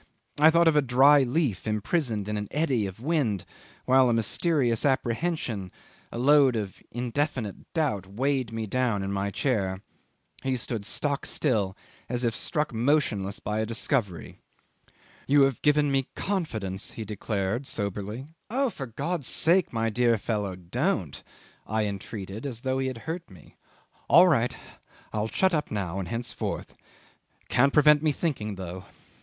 I thought of a dry leaf imprisoned in an eddy of wind, while a mysterious apprehension, a load of indefinite doubt, weighed me down in my chair. He stood stock still, as if struck motionless by a discovery. "You have given me confidence," he declared, soberly. "Oh! for God's sake, my dear fellow don't!" I entreated, as though he had hurt me. "All right. I'll shut up now and henceforth. Can't prevent me thinking though. .